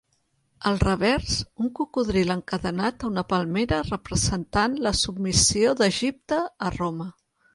Al revers, un cocodril encadenat a una palmera representant la submissió d'Egipte a Roma.